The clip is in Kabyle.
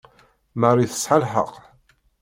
Marie tesɛa lḥeqq.